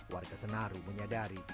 warga senaru menyadari